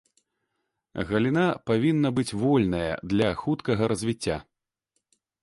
Галіна павінна быць вольная для хуткага развіцця.